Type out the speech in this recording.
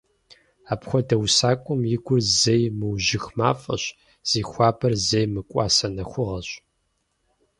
Апхуэдэ усакӀуэм и гур зэи мыужьых мафӀэщ, зи хуабэр зэи мыкӀуасэ нэхугъэщ.